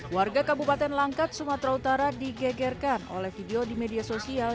warga kabupaten langkat sumatera utara digegerkan oleh video di media sosial